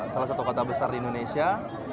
salah satu kota besar di indonesia